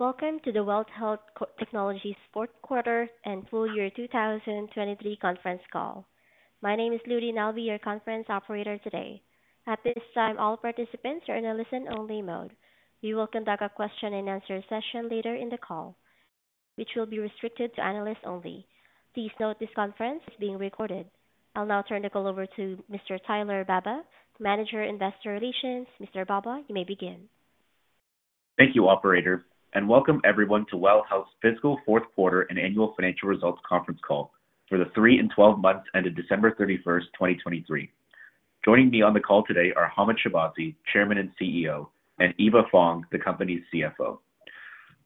Welcome to the WELL Health Technologies 4th Quarter and Full Year 2023 Conference Call. My name is Ludi and I'll be your conference operator today. At this time, all participants are in a listen-only mode. We will conduct a Q&A session later in the call, which will be restricted to analysts only. Please note this conference is being recorded. I'll now turn the call over to Mr. Tyler Baba, Manager Investor Relations. Mr. Baba, you may begin. Thank you, Operator, and welcome everyone to WELL Health's fiscal 4th Quarter and Annual Financial Results Conference Call for the 3 and 12 months ended December 31st, 2023. Joining me on the call today are Hamed Shahbazi, Chairman and CEO, and Eva Fong, the company's CFO.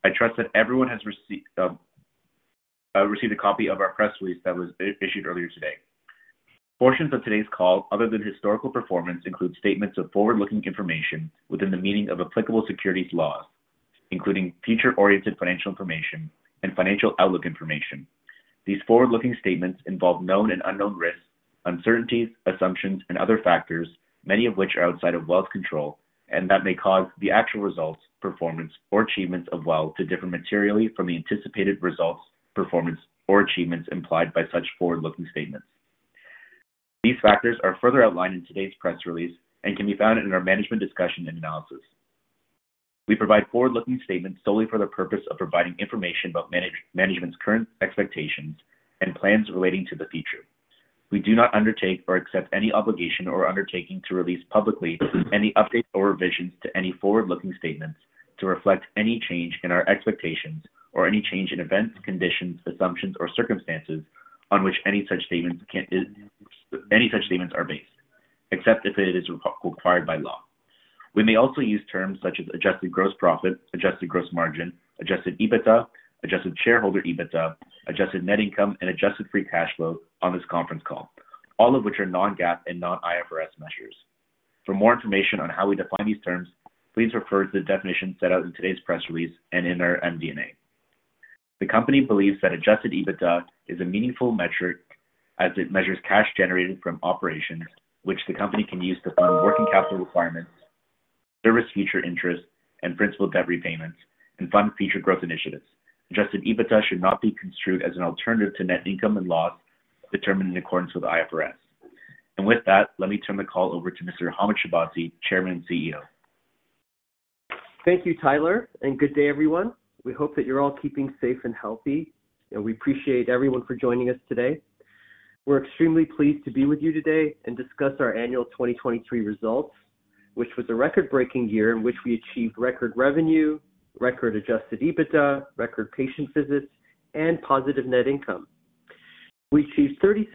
I trust that everyone has received a copy of our press release that was issued earlier today. Portions of today's call, other than historical performance, include statements of forward-looking information within the meaning of applicable securities laws, including future-oriented financial information and financial outlook information. These forward-looking statements involve known and unknown risks, uncertainties, assumptions, and other factors, many of which are outside of WELL control and that may cause the actual results, performance, or achievements of WELL to differ materially from the anticipated results, performance, or achievements implied by such forward-looking statements. These factors are further outlined in today's press release and can be found in our management discussion and analysis. We provide forward-looking statements solely for the purpose of providing information about management's current expectations and plans relating to the future. We do not undertake or accept any obligation or undertaking to release publicly any updates or revisions to any forward-looking statements to reflect any change in our expectations or any change in events, conditions, assumptions, or circumstances on which any such statements are based, except if it is required by law. We may also use terms such as adjusted gross profit, adjusted gross margin, adjusted EBITDA, adjusted shareholder EBITDA, adjusted net income, and adjusted free cash flow on this conference call, all of which are non-GAAP and non-IFRS measures. For more information on how we define these terms, please refer to the definition set out in today's press release and in our MD&A. The company believes that Adjusted EBITDA is a meaningful metric as it measures cash generated from operations, which the company can use to fund working capital requirements, service future interest, and principal debt repayments, and fund future growth initiatives. Adjusted EBITDA should not be construed as an alternative to net income and loss determined in accordance with IFRS. With that, let me turn the call over to Mr. Hamed Shahbazi, Chairman and CEO. Thank you, Tyler, and good day, everyone. We hope that you're all keeping safe and healthy, and we appreciate everyone for joining us today. We're extremely pleased to be with you today and discuss our annual 2023 results, which was a record-breaking year in which we achieved record revenue, record Adjusted EBITDA, record patient visits, and positive net income. We achieved 36%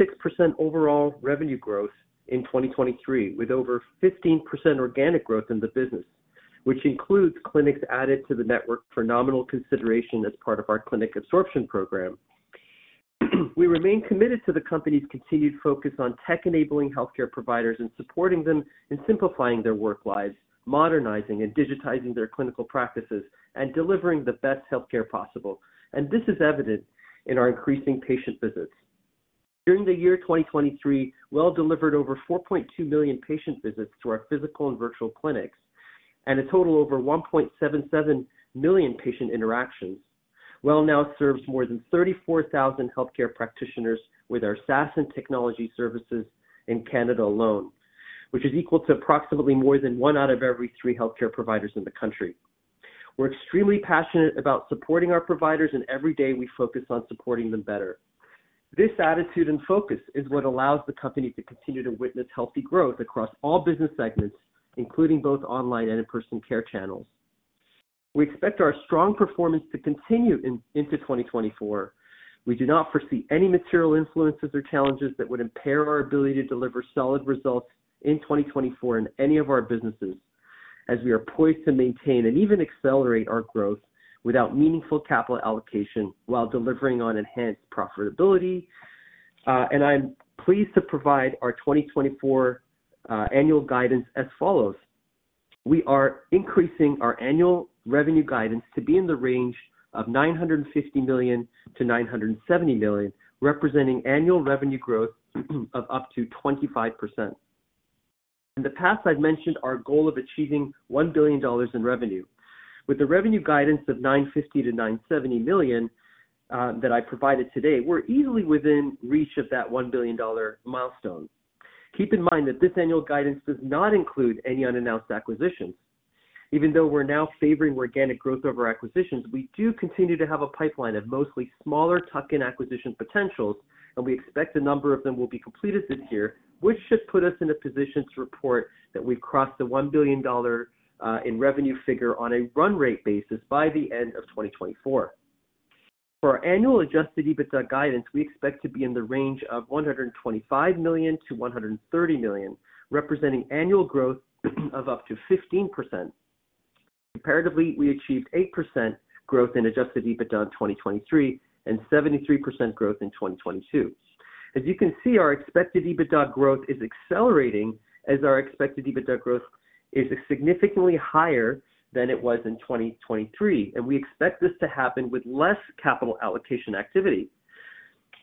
overall revenue growth in 2023 with over 15% organic growth in the business, which includes clinics added to the network for nominal consideration as part of our clinic absorption program. We remain committed to the company's continued focus on tech-enabling healthcare providers and supporting them in simplifying their work lives, modernizing and digitizing their clinical practices, and delivering the best healthcare possible. This is evident in our increasing patient visits. During the year 2023, WELL delivered over 4.2 million patient visits to our physical and virtual clinics and a total of over 1.77 million patient interactions. WELL now serves more than 34,000 healthcare practitioners with our SaaS and technology services in Canada alone, which is equal to approximately more than one out of every three healthcare providers in the country. We're extremely passionate about supporting our providers, and every day we focus on supporting them better. This attitude and focus is what allows the company to continue to witness healthy growth across all business segments, including both online and in-person care channels. We expect our strong performance to continue into 2024. We do not foresee any material influences or challenges that would impair our ability to deliver solid results in 2024 in any of our businesses, as we are poised to maintain and even accelerate our growth without meaningful capital allocation while delivering on enhanced profitability. I'm pleased to provide our 2024 annual guidance as follows. We are increasing our annual revenue guidance to be in the range of 950 million-970 million, representing annual revenue growth of up to 25%. In the past, I've mentioned our goal of achieving 1 billion dollars in revenue. With the revenue guidance of 950 million-970 million that I provided today, we're easily within reach of that 1 billion dollar milestone. Keep in mind that this annual guidance does not include any unannounced acquisitions. Even though we're now favoring organic growth over acquisitions, we do continue to have a pipeline of mostly smaller tuck-in acquisition potentials, and we expect a number of them will be completed this year, which should put us in a position to report that we've crossed the 1 billion dollar in revenue figure on a run-rate basis by the end of 2024. For our annual adjusted EBITDA guidance, we expect to be in the range of 125 million-130 million, representing annual growth of up to 15%. Comparatively, we achieved 8% growth in adjusted EBITDA in 2023 and 73% growth in 2022. As you can see, our expected EBITDA growth is accelerating as our expected EBITDA growth is significantly higher than it was in 2023, and we expect this to happen with less capital allocation activity.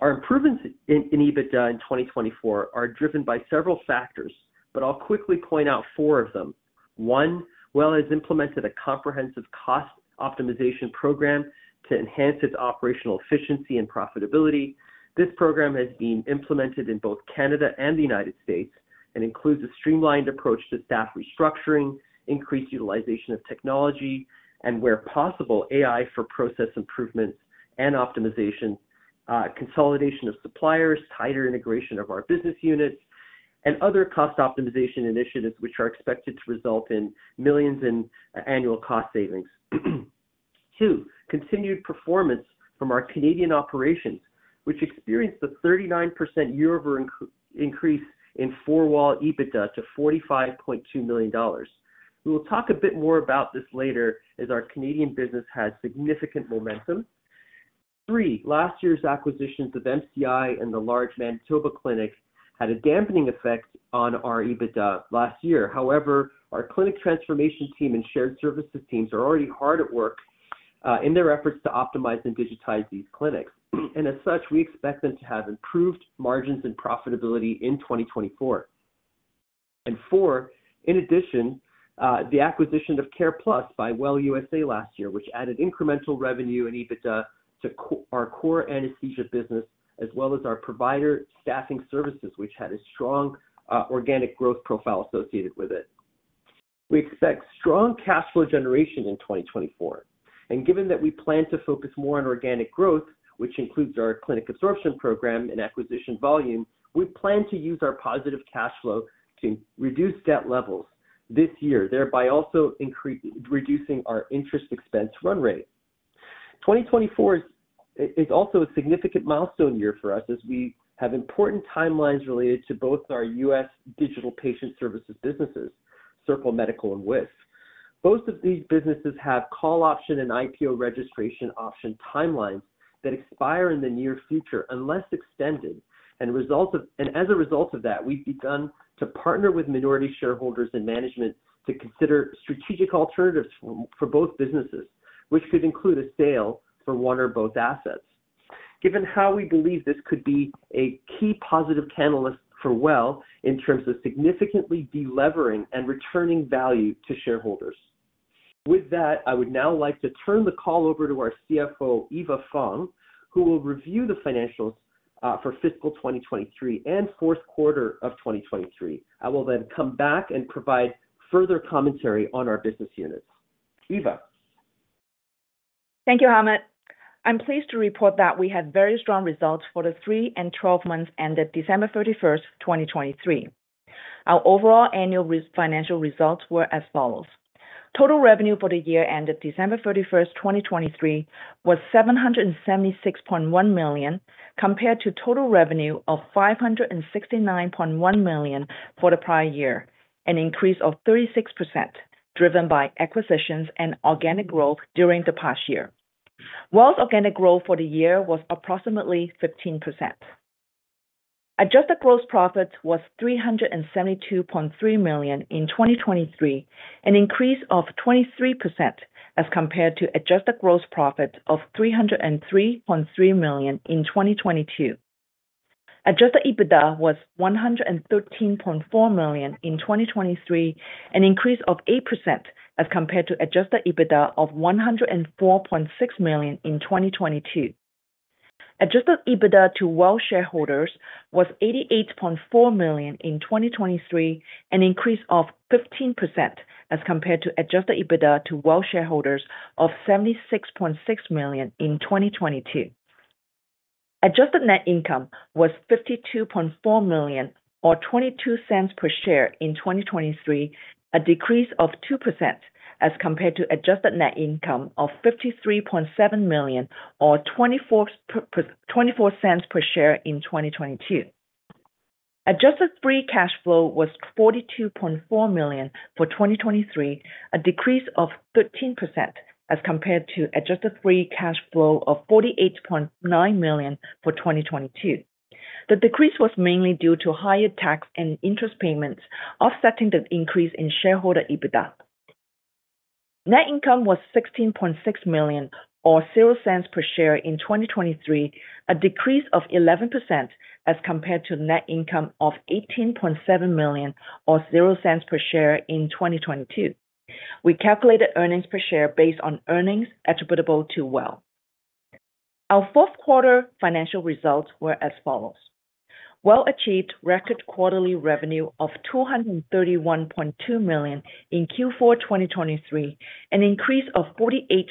Our improvements in EBITDA in 2024 are driven by several factors, but I'll quickly point out four of them. One, WELL has implemented a comprehensive cost optimization program to enhance its operational efficiency and profitability. This program has been implemented in both Canada and the United States and includes a streamlined approach to staff restructuring, increased utilization of technology, and where possible, AI for process improvements and optimization, consolidation of suppliers, tighter integration of our business units, and other cost optimization initiatives which are expected to result in millions in annual cost savings. Two, continued performance from our Canadian operations, which experienced a 39% year-over-year increase in four-wall EBITDA to 45.2 million dollars. We will talk a bit more about this later as our Canadian business has significant momentum. Three, last year's acquisitions of MCI and the large Manitoba Clinic had a dampening effect on our EBITDA last year. However, our clinic transformation team and shared services teams are already hard at work in their efforts to optimize and digitize these clinics. And as such, we expect them to have improved margins and profitability in 2024. And four, in addition, the acquisition of CarePlus by WELL USA last year, which added incremental revenue and EBITDA to our core anesthesia business, as well as our provider staffing services, which had a strong organic growth profile associated with it. We expect strong cash flow generation in 2024. And given that we plan to focus more on organic growth, which includes our clinic absorption program and acquisition volume, we plan to use our positive cash flow to reduce debt levels this year, thereby also reducing our interest expense run rate. 2024 is also a significant milestone year for us as we have important timelines related to both our U.S. digital patient services businesses, Circle Medical and Wisp. Both of these businesses have call option and IPO registration option timelines that expire in the near future unless extended. As a result of that, we've begun to partner with minority shareholders and management to consider strategic alternatives for both businesses, which could include a sale for one or both assets, given how we believe this could be a key positive catalyst for WELL in terms of significantly delevering and returning value to shareholders. With that, I would now like to turn the call over to our CFO, Eva Fong, who will review the financials for fiscal 2023 and 4th Quarter of 2023. I will then come back and provide further commentary on our business units. Eva. Thank you, Hamed. I'm pleased to report that we had very strong results for the 3 and 12 months ended December 31st, 2023. Our overall annual financial results were as follows. Total revenue for the year ended December 31st, 2023, was CAD 776.1 million compared to total revenue of CAD 569.1 million for the prior year, an increase of 36% driven by acquisitions and organic growth during the past year. WELL's organic growth for the year was approximately 15%. Adjusted gross profit was CAD 372.3 million in 2023, an increase of 23% as compared to adjusted gross profit of 303.3 million in 2022. Adjusted EBITDA was 113.4 million in 2023, an increase of 8% as compared to adjusted EBITDA of 104.6 million in 2022. Adjusted EBITDA to WELL shareholders was 88.4 million in 2023, an increase of 15% as compared to adjusted EBITDA to WELL shareholders of CAD 76.6 million in 2022. Adjusted net income was CAD 52.4 million or 0.22 per share in 2023, a decrease of 2% as compared to adjusted net income of 53.7 million or 0.24 per share in 2022. Adjusted free cash flow was 42.4 million for 2023, a decrease of 13% as compared to adjusted free cash flow of 48.9 million for 2022. The decrease was mainly due to higher tax and interest payments offsetting the increase in shareholder EBITDA. Net income was 16.6 million or 0.00 per share in 2023, a decrease of 11% as compared to net income of 18.7 million or 0.00 per share in 2022. We calculated earnings per share based on earnings attributable to WELL. Our fourth quarter financial results were as follows. WELL achieved record quarterly revenue of 231.2 million in Q4 2023, an increase of 48%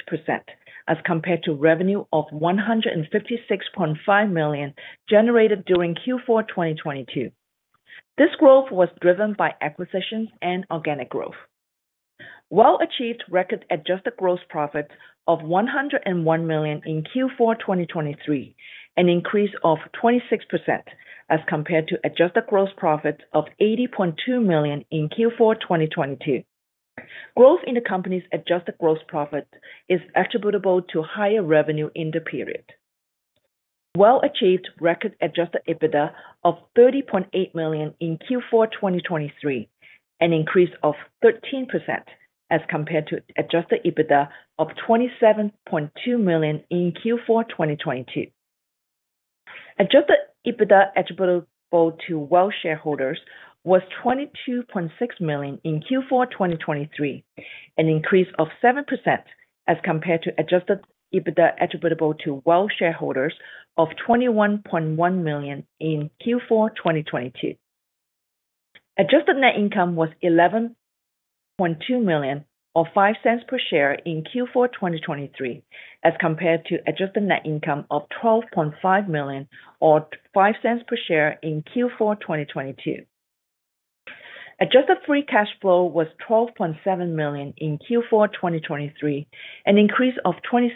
as compared to revenue of 156.5 million generated during Q4 2022. This growth was driven by acquisitions and organic growth. WELL achieved record adjusted gross profit of 101 million in Q4 2023, an increase of 26% as compared to adjusted gross profit of 80.2 million in Q4 2022. Growth in the company's adjusted gross profit is attributable to higher revenue in the period. WELL achieved record adjusted EBITDA of 30.8 million in Q4 2023, an increase of 13% as compared to adjusted EBITDA of 27.2 million in Q4 2022. Adjusted EBITDA attributable to WELL shareholders was 22.6 million in Q4 2023, an increase of 7% as compared to adjusted EBITDA attributable to WELL shareholders of 21.1 million in Q4 2022. Adjusted net income was 11.2 million or 0.05 per share in Q4 2023 as compared to adjusted net income of 12.5 million or 0.05 per share in Q4 2022. Adjusted free cash flow was 12.7 million in Q4 2023, an increase of 23%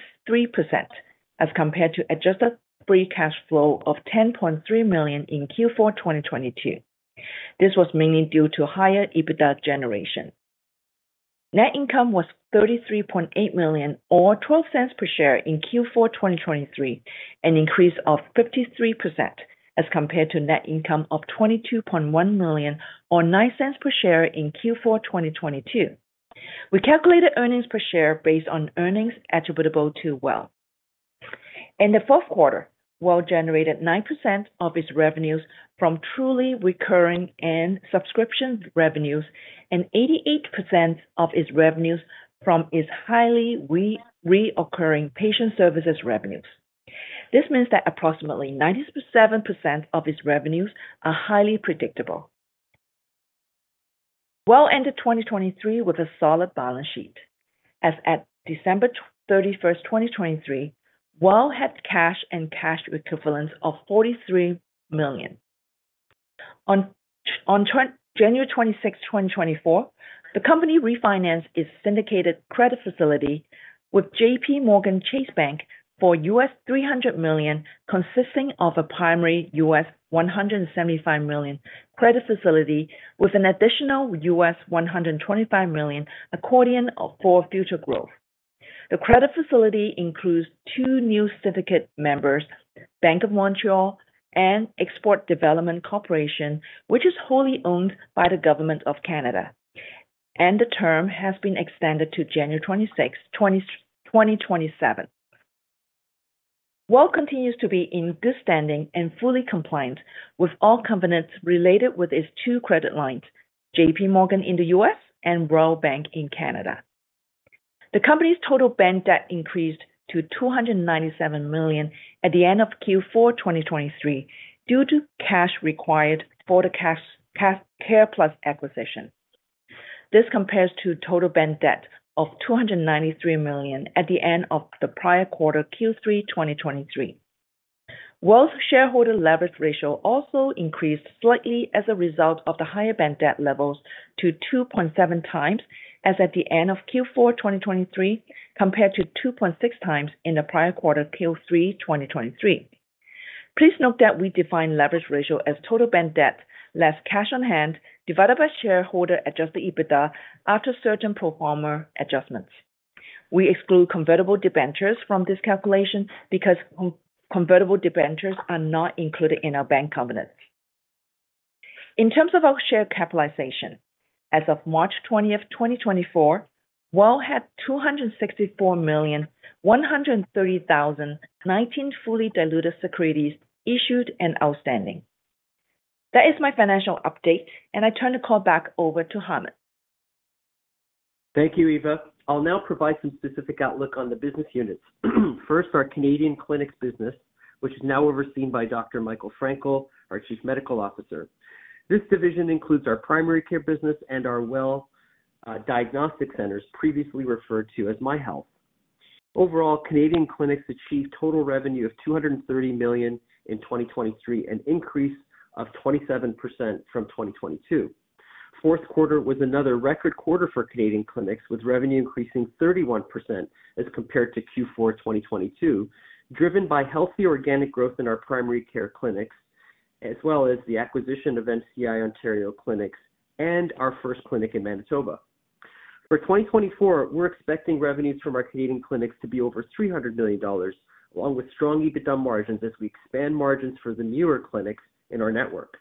as compared to adjusted free cash flow of 10.3 million in Q4 2022. This was mainly due to higher EBITDA generation. Net income was CAD 33.8 million or 0.12 per share in Q4 2023, an increase of 53% as compared to net income of 22.1 million or 0.09 per share in Q4 2022. We calculated earnings per share based on earnings attributable to WELL. In the fourth quarter, WELL generated 9% of its revenues from truly recurring and subscription revenues and 88% of its revenues from its highly recurring patient services revenues. This means that approximately 97% of its revenues are highly predictable. WELL ended 2023 with a solid balance sheet, as at December 31st, 2023, WELL had cash and cash equivalents of 43 million. On January 26, 2024, the company refinanced its syndicated credit facility with JPMorgan Chase Bank for $300 million, consisting of a primary $175 million credit facility with an additional $125 million accordion for future growth. The credit facility includes two new syndicate members, Bank of Montreal and Export Development Corporation, which is wholly owned by the Government of Canada, and the term has been extended to January 26, 2027. WELL continues to be in good standing and fully compliant with all covenants related with its two credit lines, JPMorgan in the U.S. and Royal Bank in Canada. The company's total bank debt increased to CAD 297 million at the end of Q4 2023 due to cash required for the CarePlus acquisition. This compares to total bank debt of 293 million at the end of the prior quarter, Q3 2023. WELL's shareholder leverage ratio also increased slightly as a result of the higher bank debt levels to 2.7 times as at the end of Q4 2023, compared to 2.6 times in the prior quarter, Q3 2023. Please note that we define leverage ratio as total bank debt less cash on hand divided by shareholder adjusted EBITDA after certain pro forma adjustments. We exclude convertible debentures from this calculation because convertible debentures are not included in our bank covenants. In terms of our share capitalization, as of March 20, 2024, WELL had 264,130,019 fully diluted securities issued and outstanding. That is my financial update, and I turn the call back over to Hamed. Thank you, Eva. I'll now provide some specific outlook on the business units. First, our Canadian clinics business, which is now overseen by Dr. Michael Frankel, our Chief Medical Officer. This division includes our primary care business and our WELL Diagnostic Centers, previously referred to as MyHealth. Overall, Canadian clinics achieved total revenue of 230 million in 2023, an increase of 27% from 2022. Fourth quarter was another record quarter for Canadian clinics, with revenue increasing 31% as compared to Q4 2022, driven by healthy organic growth in our primary care clinics, as well as the acquisition of MCI Ontario clinics and our first clinic in Manitoba. For 2024, we're expecting revenues from our Canadian clinics to be over 300 million dollars, along with strong EBITDA margins as we expand margins for the newer clinics in our network.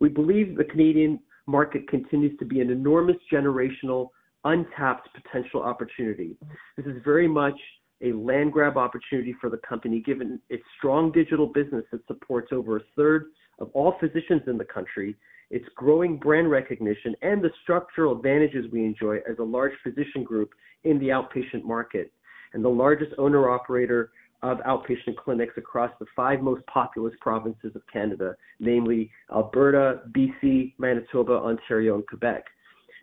We believe the Canadian market continues to be an enormous generational untapped potential opportunity. This is very much a land grab opportunity for the company, given its strong digital business that supports over a third of all physicians in the country, its growing brand recognition, and the structural advantages we enjoy as a large physician group in the outpatient market and the largest owner-operator of outpatient clinics across the five most populous provinces of Canada, namely Alberta, BC, Manitoba, Ontario, and Quebec,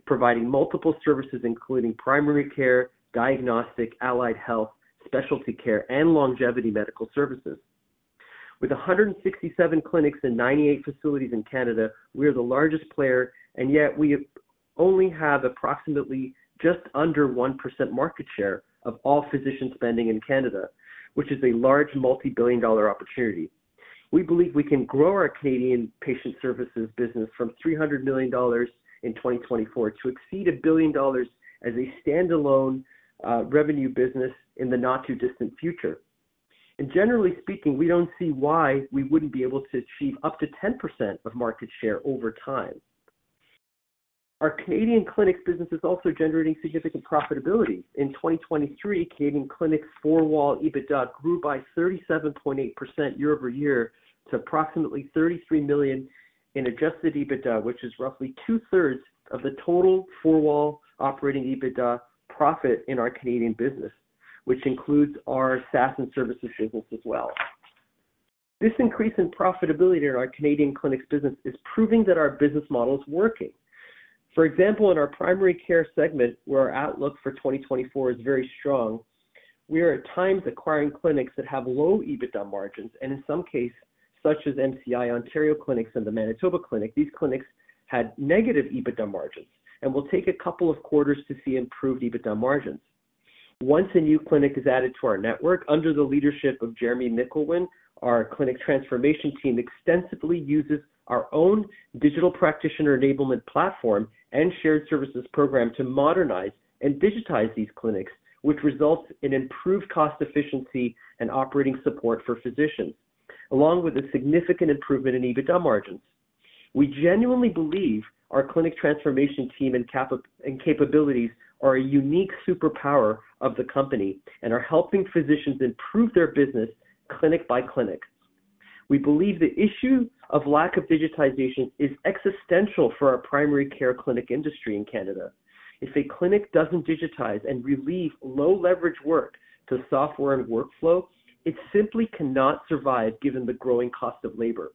providing multiple services including primary care, diagnostic, allied health, specialty care, and longevity medical services. With 167 clinics and 98 facilities in Canada, we are the largest player, and yet we only have approximately just under 1% market share of all physician spending in Canada, which is a large multi-billion-dollar opportunity. We believe we can grow our Canadian patient services business from 300 million dollars in 2024 to exceed 1 billion dollars as a standalone revenue business in the not-too-distant future. Generally speaking, we don't see why we wouldn't be able to achieve up to 10% of market share over time. Our Canadian clinics business is also generating significant profitability. In 2023, Canadian clinics' four-wall EBITDA grew by 37.8% year over year to approximately 33 million in adjusted EBITDA, which is roughly two-thirds of the total four-wall operating EBITDA profit in our Canadian business, which includes our SaaS and services business as well. This increase in profitability in our Canadian clinics business is proving that our business model is working. For example, in our primary care segment, where our outlook for 2024 is very strong, we are at times acquiring clinics that have low EBITDA margins, and in some cases, such as MCI Ontario clinics and the Manitoba clinic, these clinics had negative EBITDA margins. We'll take a couple of quarters to see improved EBITDA margins. Once a new clinic is added to our network, under the leadership of Jeremy Mickolwin, our clinic transformation team extensively uses our own digital practitioner enablement platform and shared services program to modernize and digitize these clinics, which results in improved cost efficiency and operating support for physicians, along with a significant improvement in EBITDA margins. We genuinely believe our clinic transformation team and capabilities are a unique superpower of the company and are helping physicians improve their business clinic by clinic. We believe the issue of lack of digitization is existential for our primary care clinic industry in Canada. If a clinic doesn't digitize and relieve low-leverage work to software and workflow, it simply cannot survive given the growing cost of labor.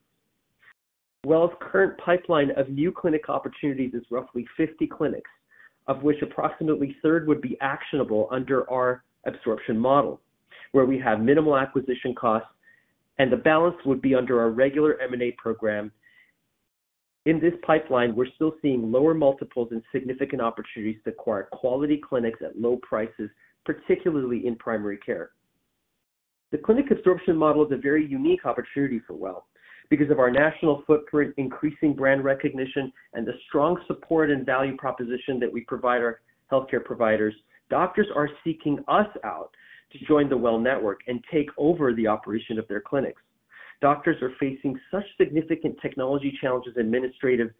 WELL's current pipeline of new clinic opportunities is roughly 50 clinics, of which approximately a third would be actionable under our absorption model, where we have minimal acquisition costs, and the balance would be under our regular M&A program. In this pipeline, we're still seeing lower multiples and significant opportunities to acquire quality clinics at low prices, particularly in primary care. The clinic absorption model is a very unique opportunity for WELL. Because of our national footprint, increasing brand recognition, and the strong support and value proposition that we provide our healthcare providers, doctors are seeking us out to join the WELL network and take over the operation of their clinics. Doctors are facing such significant technology challenges and administrative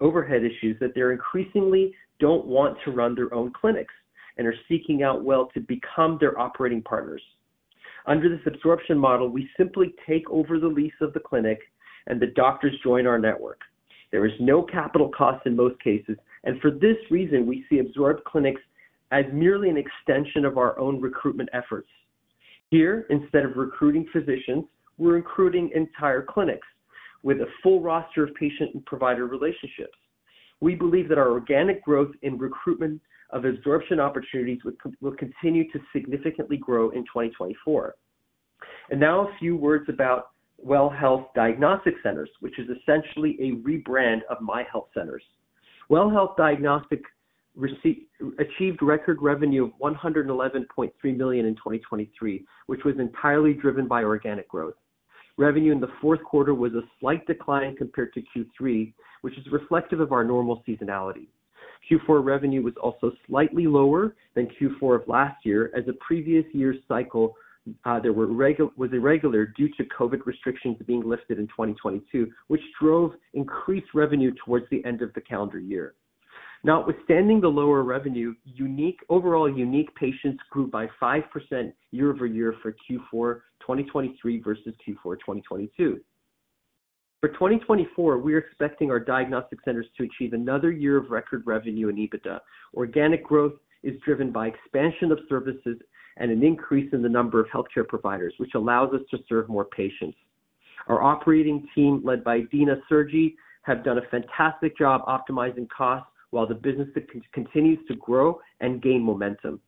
overhead issues that they increasingly don't want to run their own clinics and are seeking out WELL to become their operating partners. Under this absorption model, we simply take over the lease of the clinic, and the doctors join our network. There is no capital cost in most cases, and for this reason, we see absorbed clinics as merely an extension of our own recruitment efforts. Here, instead of recruiting physicians, we're recruiting entire clinics with a full roster of patient and provider relationships. We believe that our organic growth in recruitment of absorption opportunities will continue to significantly grow in 2024. Now a few words about WELL Health Diagnostic Centers, which is essentially a rebrand of MyHealth Centers. WELL Health Diagnostic achieved record revenue of 111.3 million in 2023, which was entirely driven by organic growth. Revenue in the fourth quarter was a slight decline compared to Q3, which is reflective of our normal seasonality. Q4 revenue was also slightly lower than Q4 of last year, as a previous year's cycle was irregular due to COVID restrictions being lifted in 2022, which drove increased revenue towards the end of the calendar year. Now, notwithstanding the lower revenue, overall unique patients grew by 5% year-over-year for Q4 2023 versus Q4 2022. For 2024, we are expecting our diagnostic centers to achieve another year of record revenue and EBITDA. Organic growth is driven by expansion of services and an increase in the number of healthcare providers, which allows us to serve more patients. Our operating team led by Dina Sergi has done a fantastic job optimizing costs while the business continues to grow and gain momentum.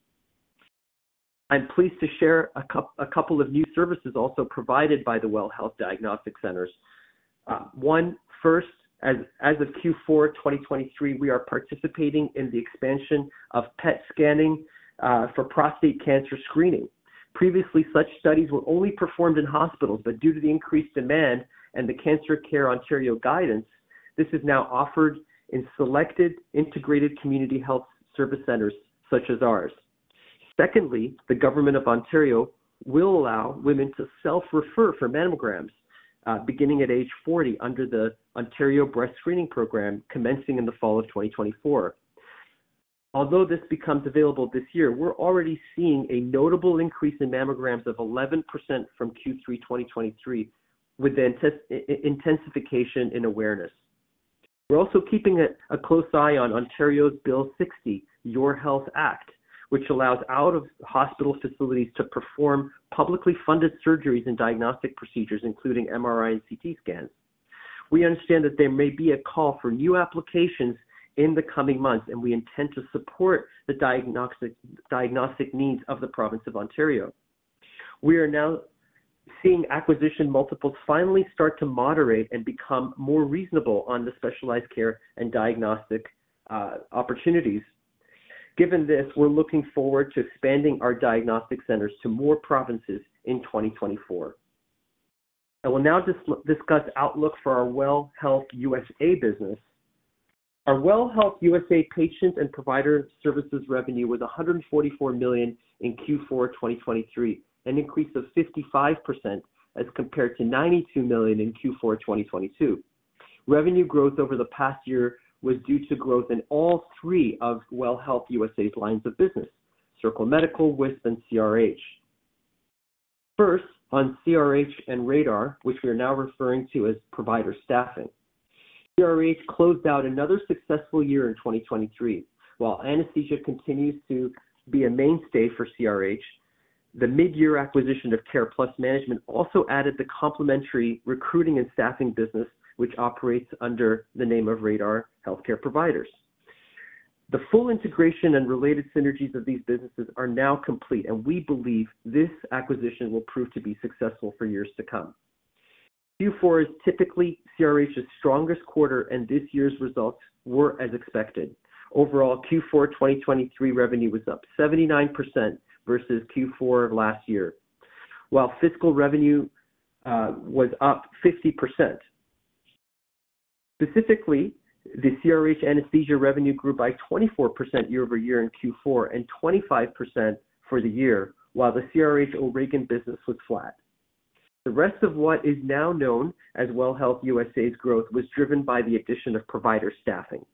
I'm pleased to share a couple of new services also provided by the WELL Health Diagnostic Centers. One, first, as of Q4 2023, we are participating in the expansion of PET scanning for prostate cancer screening. Previously, such studies were only performed in hospitals, but due to the increased demand and the Cancer Care Ontario guidance, this is now offered in selected integrated community health service centers such as ours. Secondly, the Government of Ontario will allow women to self-refer for mammograms beginning at age 40 under the Ontario Breast Screening Program commencing in the fall of 2024. Although this becomes available this year, we're already seeing a notable increase in mammograms of 11% from Q3 2023, with intensification in awareness. We're also keeping a close eye on Ontario's Bill 60, Your Health Act, which allows out-of-hospital facilities to perform publicly funded surgeries and diagnostic procedures, including MRI and CT scans. We understand that there may be a call for new applications in the coming months, and we intend to support the diagnostic needs of the Province of Ontario. We are now seeing acquisition multiples finally start to moderate and become more reasonable on the specialized care and diagnostic opportunities. Given this, we're looking forward to expanding our diagnostic centers to more provinces in 2024. I will now discuss outlook for our WELL Health USA business. Our WELL Health USA patient and provider services revenue was $144 million in Q4 2023, an increase of 55% as compared to $92 million in Q4 2022. Revenue growth over the past year was due to growth in all three of WELL Health USA's lines of business: Circle Medical, Wisp, and CRH. First, on CRH and RADAR, which we are now referring to as provider staffing. CRH closed out another successful year in 2023. While anesthesia continues to be a mainstay for CRH, the mid-year acquisition of CarePlus Management also added the complementary recruiting and staffing business, which operates under the name of RADAR Healthcare Providers. The full integration and related synergies of these businesses are now complete, and we believe this acquisition will prove to be successful for years to come. Q4 is typically CRH's strongest quarter, and this year's results were as expected. Overall, Q4 2023 revenue was up 79% versus Q4 of last year, while fiscal revenue was up 50%. Specifically, the CRH anesthesia revenue grew by 24% year-over-year in Q4 and 25% for the year, while the CRH O'Regan business was flat. The rest of what is now known as WELL Health USA's growth was driven by the addition of provider staffing.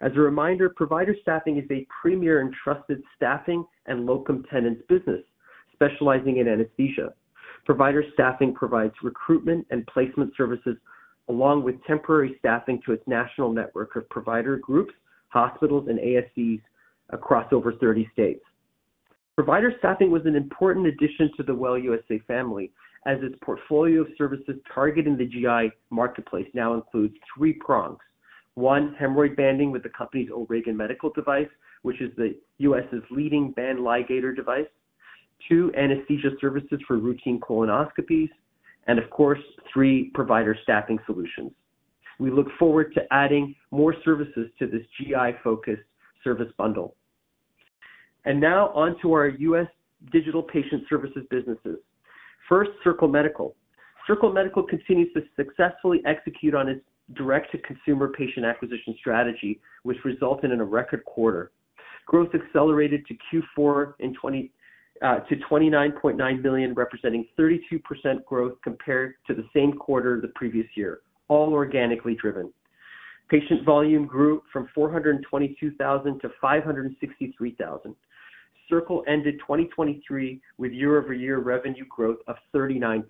As a reminder, provider staffing is a premier and trusted staffing and locum tenens business specializing in anesthesia. Provider staffing provides recruitment and placement services along with temporary staffing to its national network of provider groups, hospitals, and ASCs across over 30 states. Provider staffing was an important addition to the WELL USA family, as its portfolio of services targeting the GI marketplace now includes three prongs: one, hemorrhoid banding with the company's O'Regan Medical device, which is the U.S.'s leading band ligator device. Two, anesthesia services for routine colonoscopies. And, of course, three, provider staffing solutions. We look forward to adding more services to this GI-focused service bundle. Now onto our U.S. digital patient services businesses. First, Circle Medical. Circle Medical continues to successfully execute on its direct-to-consumer patient acquisition strategy, which resulted in a record quarter. Growth accelerated to Q4 to $29.9 million, representing 32% growth compared to the same quarter the previous year, all organically driven. Patient volume grew from 422,000 to 563,000. Circle ended 2023 with year-over-year revenue growth of 39%.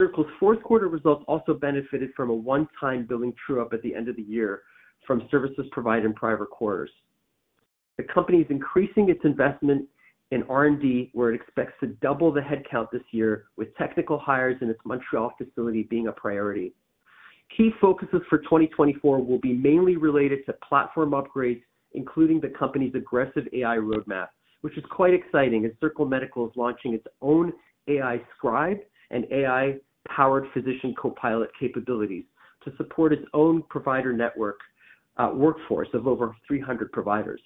Circle's fourth quarter results also benefited from a one-time billing true-up at the end of the year from services provided in prior quarters. The company is increasing its investment in R&D, where it expects to double the headcount this year, with technical hires in its Montreal facility being a priority. Key focuses for 2024 will be mainly related to platform upgrades, including the company's aggressive AI roadmap, which is quite exciting, as Circle Medical is launching its own AI Scribe and AI-powered physician copilot capabilities to support its own provider network workforce of over 300 providers.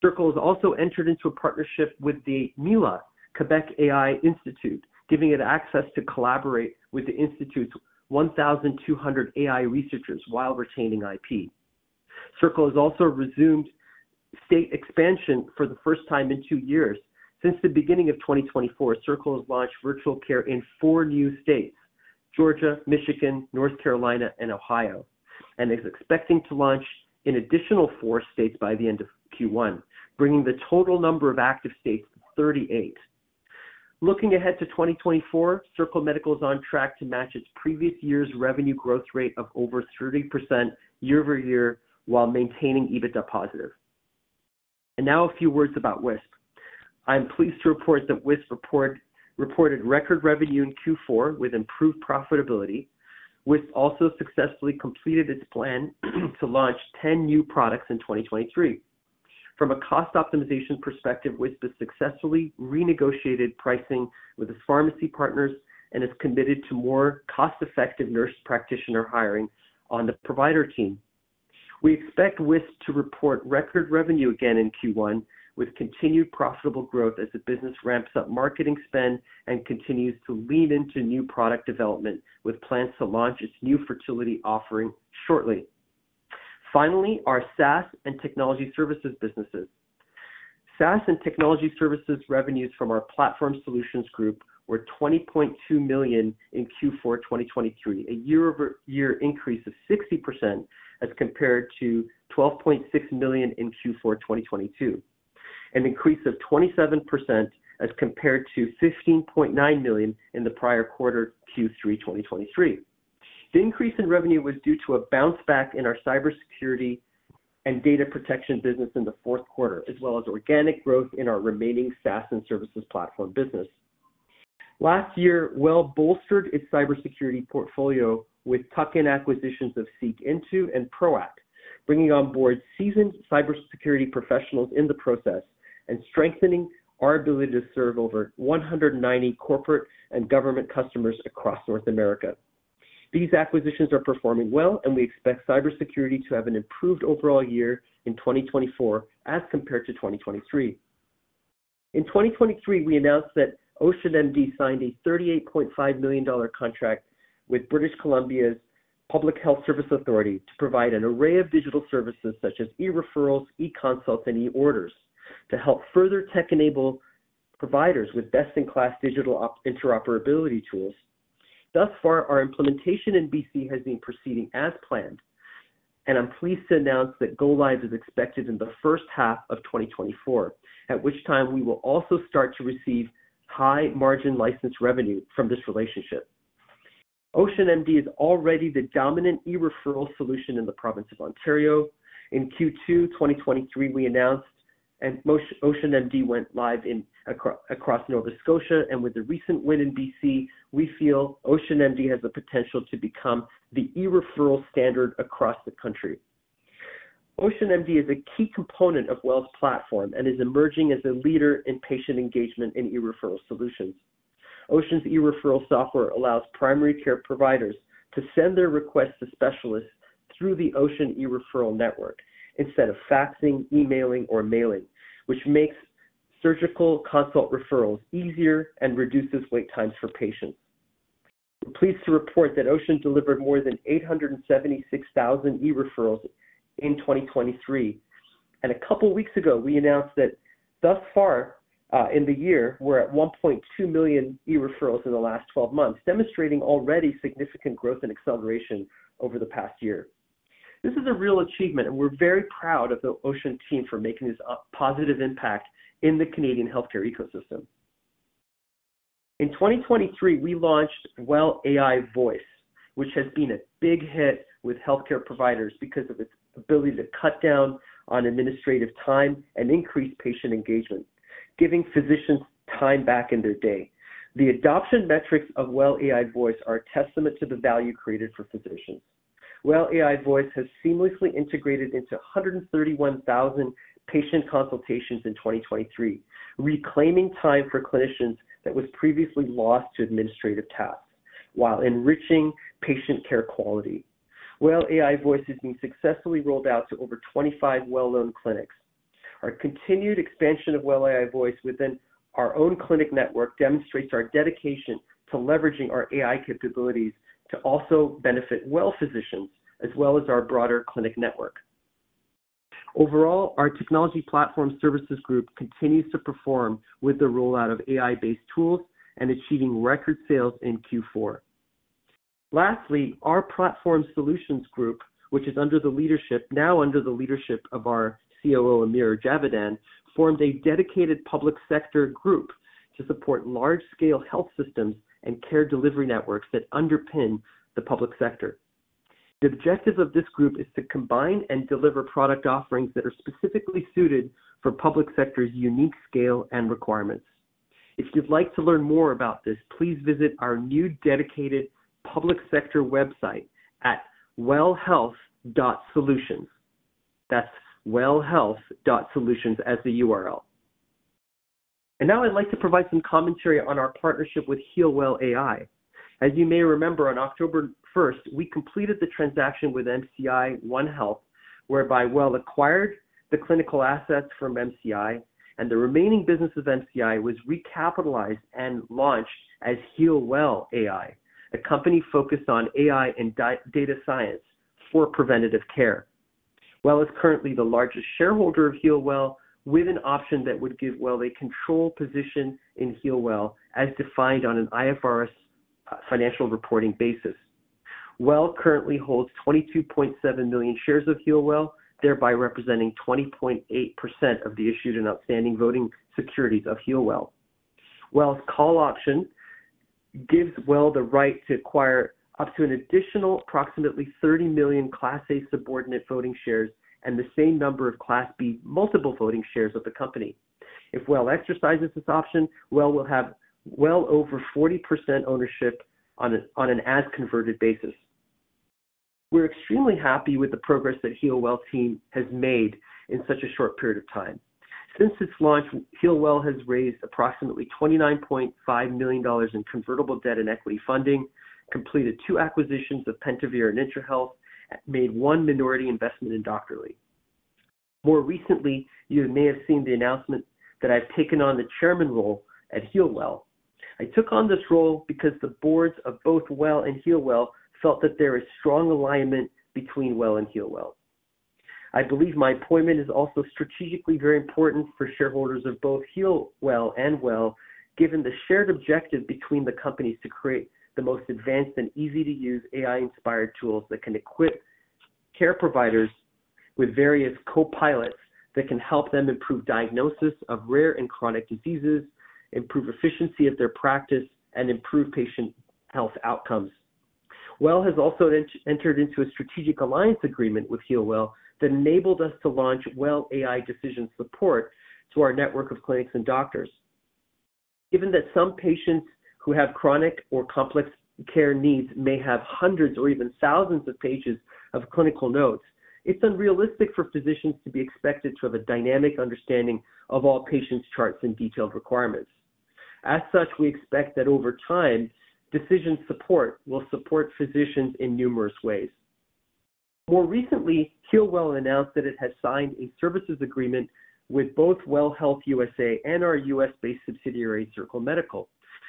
Circle has also entered into a partnership with the MILA, Quebec AI Institute, giving it access to collaborate with the institute's 1,200 AI researchers while retaining IP. Circle has also resumed state expansion for the first time in two years. Since the beginning of 2024, Circle has launched virtual care in 4 new states: Georgia, Michigan, North Carolina, and Ohio, and is expecting to launch in additional 4 states by the end of Q1, bringing the total number of active states to 38. Looking ahead to 2024, Circle Medical is on track to match its previous year's revenue growth rate of over 30% year-over-year while maintaining EBITDA positive. Now a few words about Wisp. I'm pleased to report that Wisp reported record revenue in Q4 with improved profitability. Wisp also successfully completed its plan to launch 10 new products in 2023. From a cost optimization perspective, Wisp has successfully renegotiated pricing with its pharmacy partners and is committed to more cost-effective nurse practitioner hiring on the provider team. We expect Wisp to report record revenue again in Q1 with continued profitable growth as the business ramps up marketing spend and continues to lean into new product development with plans to launch its new fertility offering shortly. Finally, our SaaS and technology services businesses. SaaS and technology services revenues from our platform solutions group were 20.2 million in Q4 2023, a year-over-year increase of 60% as compared to 12.6 million in Q4 2022, an increase of 27% as compared to 15.9 million in the prior quarter, Q3 2023. The increase in revenue was due to a bounce back in our cybersecurity and data protection business in the fourth quarter, as well as organic growth in our remaining SaaS and services platform business. Last year, WELL bolstered its cybersecurity portfolio with tuck-in acquisitions of Seekintoo and Proack, bringing onboard seasoned cybersecurity professionals in the process and strengthening our ability to serve over 190 corporate and government customers across North America. These acquisitions are performing well, and we expect cybersecurity to have an improved overall year in 2024 as compared to 2023. In 2023, we announced that OceanMD signed a 38.5 million dollar contract with British Columbia's Public Health Services Authority to provide an array of digital services such as e-referrals, e-consults, and e-orders to help further tech-enable providers with best-in-class digital interoperability tools. Thus far, our implementation in BC has been proceeding as planned, and I'm pleased to announce that go-lives are expected in the first half of 2024, at which time we will also start to receive high-margin license revenue from this relationship. OceanMD is already the dominant e-referral solution in the Province of Ontario. In Q2 2023, we announced and OceanMD went live across Nova Scotia, and with the recent win in BC, we feel OceanMD has the potential to become the e-referral standard across the country. OceanMD is a key component of WELL's platform and is emerging as a leader in patient engagement in e-referral solutions. Ocean's e-referral software allows primary care providers to send their requests to specialists through the Ocean e-referral network instead of faxing, emailing, or mailing, which makes surgical consult referrals easier and reduces wait times for patients. I'm pleased to report that Ocean delivered more than 876,000 e-referrals in 2023, and a couple of weeks ago, we announced that thus far in the year, we're at 1,200,000 e-referrals in the last 12 months, demonstrating already significant growth and acceleration over the past year. This is a real achievement, and we're very proud of the Ocean team for making this positive impact in the Canadian healthcare ecosystem. In 2023, we launched WELL AI Voice, which has been a big hit with healthcare providers because of its ability to cut down on administrative time and increase patient engagement, giving physicians time back in their day. The adoption metrics of WELL AI Voice are a testament to the value created for physicians. WELL AI Voice has seamlessly integrated into 131,000 patient consultations in 2023, reclaiming time for clinicians that was previously lost to administrative tasks while enriching patient care quality. WELL AI Voice has been successfully rolled out to over 25 well-known clinics. Our continued expansion of WELL AI Voice within our own clinic network demonstrates our dedication to leveraging our AI capabilities to also benefit WELL physicians as well as our broader clinic network. Overall, our technology platform services group continues to perform with the rollout of AI-based tools and achieving record sales in Q4. Lastly, our platform solutions group, which is under the leadership of our COO, Amir Javidan, formed a dedicated public sector group to support large-scale health systems and care delivery networks that underpin the public sector. The objective of this group is to combine and deliver product offerings that are specifically suited for public sector's unique scale and requirements. If you'd like to learn more about this, please visit our new dedicated public sector website at wellhealth.solutions. That's wellhealth.solutions as the URL. Now I'd like to provide some commentary on our partnership with Healwell AI. As you may remember, on October 1st, we completed the transaction with MCI OneHealth, whereby WELL acquired the clinical assets from MCI, and the remaining business of MCI was recapitalized and launched as Healwell AI, a company focused on AI and data science for preventative care. WELL is currently the largest shareholder of Healwell with an option that would give WELL a control position in Healwell as defined on an IFRS financial reporting basis. WELL currently holds 22.7 million shares of Healwell, thereby representing 20.8% of the issued and outstanding voting securities of Healwell. WELL's call option gives WELL the right to acquire up to an additional approximately 30 million Class A subordinate voting shares and the same number of Class B multiple voting shares of the company. If WELL exercises this option, WELL will have well over 40% ownership on an as-converted basis. We're extremely happy with the progress that Healwell's team has made in such a short period of time. Since its launch, Healwell has raised approximately 29.5 million dollars in convertible debt and equity funding, completed two acquisitions of Pentavere and IntraHealth, and made one minority investment in Doctorly. More recently, you may have seen the announcement that I've taken on the chairman role at Healwell. I took on this role because the boards of both WELL and Healwell felt that there is strong alignment between WELL and Healwell. I believe my appointment is also strategically very important for shareholders of both Healwell and WELL, given the shared objective between the companies to create the most advanced and easy-to-use AI-inspired tools that can equip care providers with various copilots that can help them improve diagnosis of rare and chronic diseases, improve efficiency of their practice, and improve patient health outcomes. WELL has also entered into a strategic alliance agreement with Healwell AI that enabled us to launch WELL AI Decision Support to our network of clinics and doctors. Given that some patients who have chronic or complex care needs may have hundreds or even thousands of pages of clinical notes, it's unrealistic for physicians to be expected to have a dynamic understanding of all patients' charts and detailed requirements. As such, we expect that over time, decision support will support physicians in numerous ways. More recently, Healwell AI announced that it has signed a services agreement with both WELL Health USA and our U.S.-based subsidiary, Circle Medical,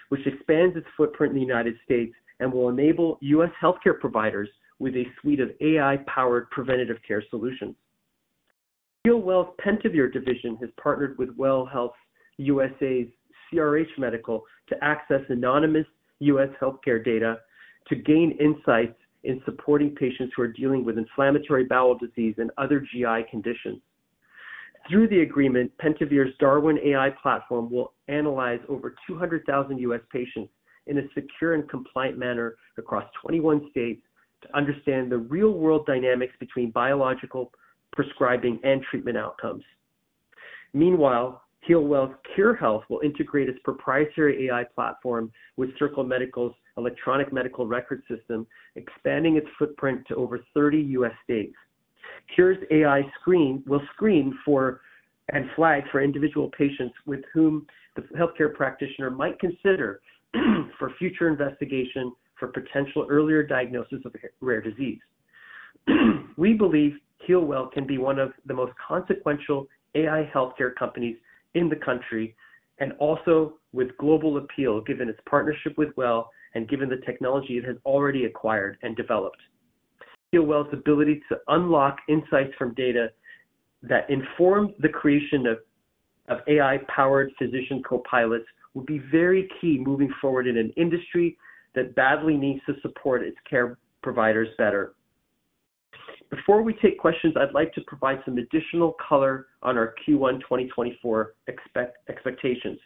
which expands its footprint in the United States and will enable U.S. healthcare providers with a suite of AI-powered preventative care solutions. Healwell's Pentavere division has partnered with WELL Health USA's CRH Medical to access anonymous U.S. healthcare data to gain insights in supporting patients who are dealing with inflammatory bowel disease and other GI conditions. Through the agreement, Pentavere's Darwin AI platform will analyze over 200,000 U.S. patients in a secure and compliant manner across 21 states to understand the real-world dynamics between biological, prescribing, and treatment outcomes. Meanwhile, Healwell's Khure Health will integrate its proprietary AI platform with Circle Medical's electronic medical record system, expanding its footprint to over 30 U.S. states. Khure's AI screen will screen for and flag for individual patients with whom the healthcare practitioner might consider for future investigation for potential earlier diagnosis of rare disease. We believe Healwell can be one of the most consequential AI healthcare companies in the country and also with global appeal, given its partnership with WELL and given the technology it has already acquired and developed. Healwell's ability to unlock insights from data that inform the creation of AI-powered physician copilots will be very key moving forward in an industry that badly needs to support its care providers better. Before we take questions, I'd like to provide some additional color on our Q1 2024 expectations.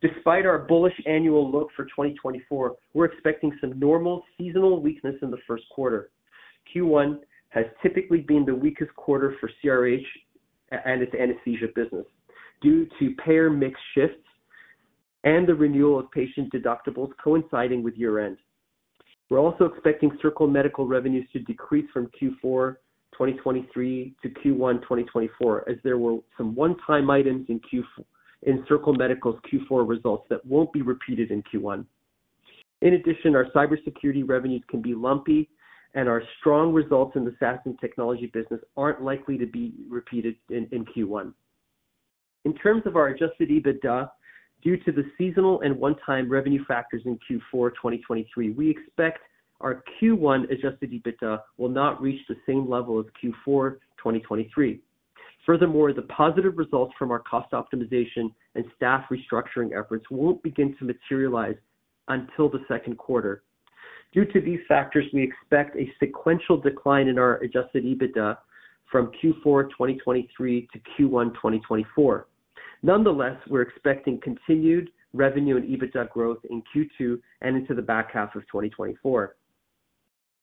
Despite our bullish annual look for 2024, we're expecting some normal seasonal weakness in the first quarter. Q1 has typically been the weakest quarter for CRH and its anesthesia business due to payer mix shifts and the renewal of patient deductibles coinciding with year-end. We're also expecting Circle Medical revenues to decrease from Q4 2023 to Q1 2024, as there were some one-time items in Circle Medical's Q4 results that won't be repeated in Q1. In addition, our cybersecurity revenues can be lumpy, and our strong results in the SaaS and technology business aren't likely to be repeated in Q1. In terms of our Adjusted EBITDA, due to the seasonal and one-time revenue factors in Q4 2023, we expect our Q1 Adjusted EBITDA will not reach the same level as Q4 2023. Furthermore, the positive results from our cost optimization and staff restructuring efforts won't begin to materialize until the second quarter. Due to these factors, we expect a sequential decline in our Adjusted EBITDA from Q4 2023 to Q1 2024. Nonetheless, we're expecting continued revenue and EBITDA growth in Q2 and into the back half of 2024.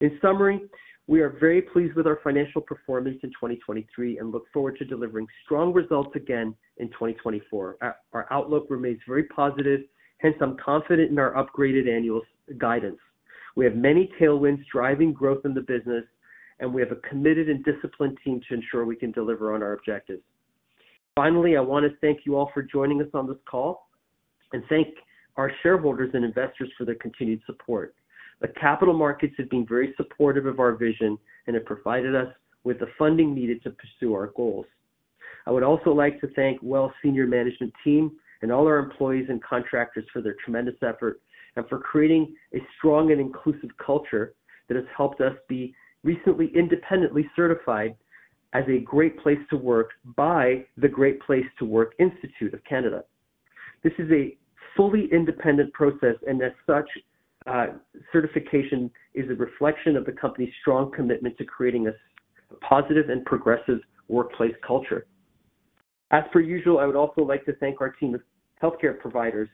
In summary, we are very pleased with our financial performance in 2023 and look forward to delivering strong results again in 2024. Our outlook remains very positive, hence I'm confident in our upgraded annual guidance. We have many tailwinds driving growth in the business, and we have a committed and disciplined team to ensure we can deliver on our objectives. Finally, I want to thank you all for joining us on this call and thank our shareholders and investors for their continued support. The capital markets have been very supportive of our vision, and it provided us with the funding needed to pursue our goals. I would also like to thank WELL's senior management team and all our employees and contractors for their tremendous effort and for creating a strong and inclusive culture that has helped us be recently independently certified as a Great Place to Work by the Great Place to Work Institute Canada. This is a fully independent process, and as such, certification is a reflection of the company's strong commitment to creating a positive and progressive workplace culture. As per usual, I would also like to thank our team of healthcare providers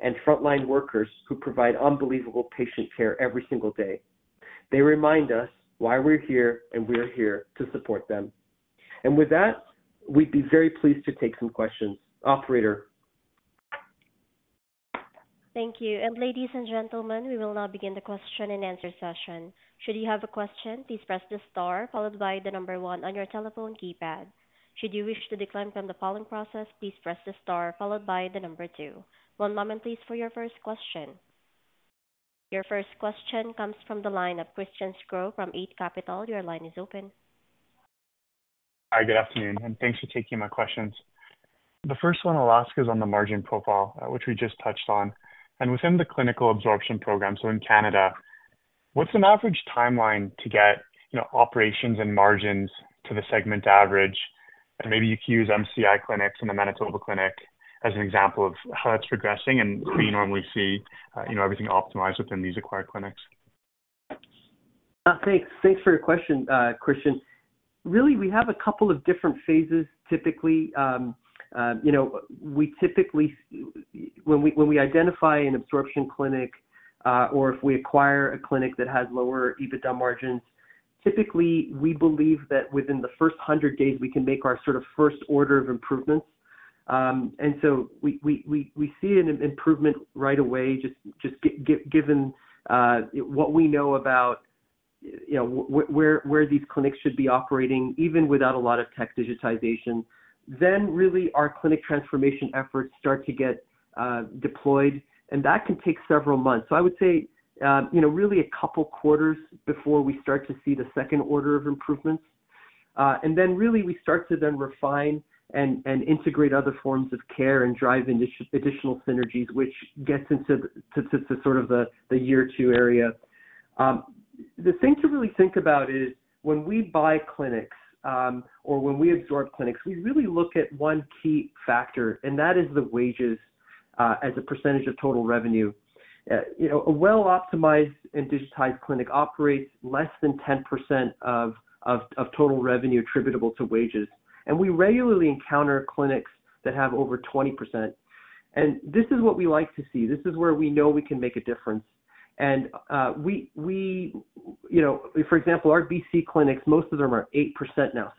and frontline workers who provide unbelievable patient care every single day. They remind us why we're here, and we're here to support them. And with that, we'd be very pleased to take some questions. Operator. Thank you. And ladies and gentlemen, we will now begin the question-and-answer session. Should you have a question, please press the star followed by the number one on your telephone keypad. Should you wish to decline from the following process, please press the star followed by the number two. One moment, please, for your first question. Your first question comes from the line of Christian Sgro from Eight Capital. Your line is open. Hi. Good afternoon, and thanks for taking my questions. The first one, Alaska, is on the margin profile, which we just touched on. And within the clinic absorption program, so in Canada, what's an average timeline to get operations and margins to the segment average? And maybe you could use MCI clinics and the Manitoba clinic as an example of how that's progressing and what you normally see everything optimized within these acquired clinics? Thanks for your question, Christian. Really, we have a couple of different phases, typically. We typically, when we identify an absorption clinic or if we acquire a clinic that has lower EBITDA margins, typically, we believe that within the first 100 days, we can make our sort of first order of improvements. And so we see an improvement right away, just given what we know about where these clinics should be operating, even without a lot of tech digitization. Then really, our clinic transformation efforts start to get deployed, and that can take several months. So I would say really a couple quarters before we start to see the second order of improvements. And then really, we start to then refine and integrate other forms of care and drive additional synergies, which gets into sort of the year two area. The thing to really think about is when we buy clinics or when we absorb clinics, we really look at one key factor, and that is the wages as a percentage of total revenue. A well-optimized and digitized clinic operates less than 10% of total revenue attributable to wages, and we regularly encounter clinics that have over 20%. This is what we like to see. This is where we know we can make a difference. For example, our BC clinics, most of them are 8% now.